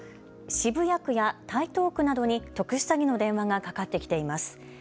渋谷区や台東区などに特殊詐欺の電話がかかってきています。